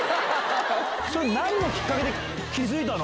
それ、なんのきっかけで気付いたの？